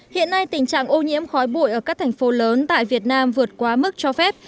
hiện nay tình trạng ô nhiễm khói bụi ở các thành phố lớn tại việt nam vượt quá mức cho phép